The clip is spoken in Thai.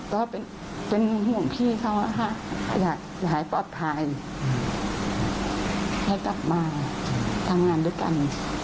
ก็เป็นห่วงพี่เขาอยากให้ปลอดภัยให้กลับมาทำงานด้วยกัน